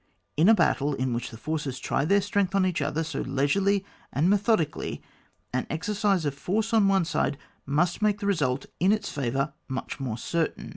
In a battle in which the forces try their strength on each other so leisurely and methodically, an excess of force on one side must make the result in its favour much more certain.